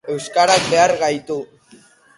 Euskarak behar gaitu